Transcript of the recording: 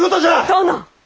殿！